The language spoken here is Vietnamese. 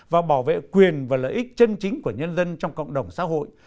và bảo vệ quyền và lợi ích chân chính của nhân dân trong cộng đồng xã hội